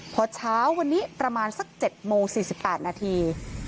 พอเช้าวันนี้ประมาณสัก๗โมง๔๘นาที